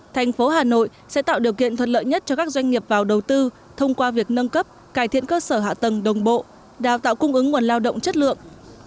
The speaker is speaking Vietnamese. thành phố hà nội sẽ tạo điều kiện thuận lợi nhất cho các doanh nghiệp vào đầu tư thông qua việc nâng cấp cải thiện cơ sở hạ tầng đồng bộ đào tạo cung ứng nguồn lao động chất lượng